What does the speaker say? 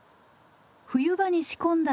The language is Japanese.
冬場に仕込んだ